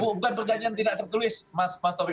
bukan perjanjian tidak tertulis pak taufik